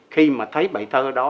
khi mà thấy bài thơ đó